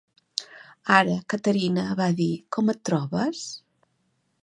"Ara, Catherine", va dir, "com et trobes?"